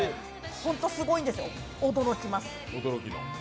ホントすごいんですよ、驚きます。